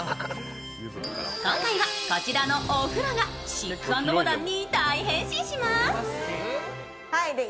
今回はこちらのお風呂がシック＆モダンに大変身します。